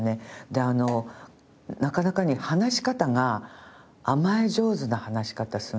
でなかなかに話し方が甘え上手な話し方するんですよ。